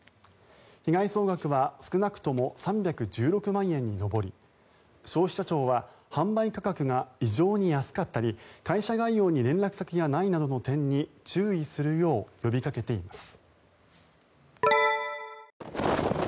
被害総額は少なくとも３１６万円に上り消費者庁は販売価格が異常に安かったり会社概要に連絡先がないなどの点に注意するよう呼びかけています。